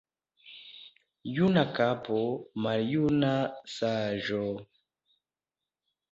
Juna kapo, maljuna saĝo.